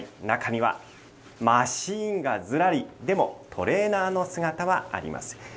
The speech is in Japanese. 中にはマシーンがずらり、でも、トレーナーの姿はありません。